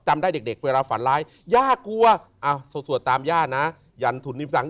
ได้เด็กเวลาฝันร้ายย่ากลัวสวดตามย่านะยันถุนนิมสัง